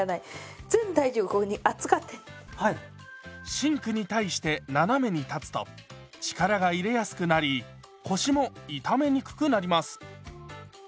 シンクに対して斜めに立つと力が入れやすくなり腰も痛めにくくなります。